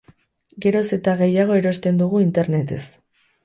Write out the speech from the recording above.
Geroz eta gehiago erosten dugu internetez.